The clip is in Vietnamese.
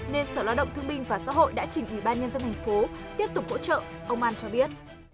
nên sở lao động thương binh và xã hội đã chỉnh ủy ban nhân dân thành phố tiếp tục hỗ trợ ông an cho biết